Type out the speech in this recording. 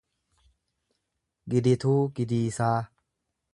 Gidituu Gidiisaa